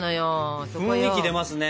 雰囲気出ますね。